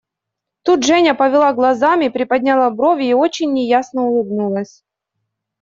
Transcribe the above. Тут Женя повела глазами, приподняла брови и очень неясно улыбнулась.